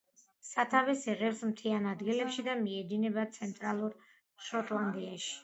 სათავეს იღებს მთიან ადგილებში და მიედინება ცენტრალურ შოტლანდიაში.